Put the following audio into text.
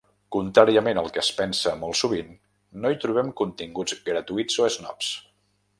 Contràriament al que es pensa molt sovint, no hi trobem continguts gratuïts o esnobs.